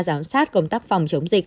giám sát công tác phòng chống dịch